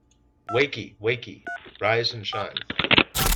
Wakey, wakey! Rise and shine!